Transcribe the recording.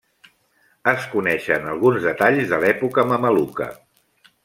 Es coneixen alguns detalls de l'època mameluca.